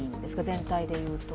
全体でいうと。